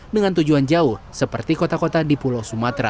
dengan tujuan jauh seperti kota kota di pulau sumatera